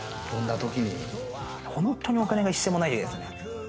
本当にお金が一銭もないときですね。